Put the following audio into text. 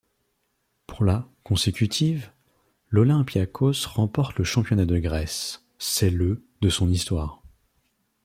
Pour la consécutive, l'Olympiakos remporte le championnat de Grèce, c'est le de son histoire.